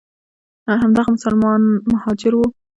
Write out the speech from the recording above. همدغه مسلمان مهاجر وو.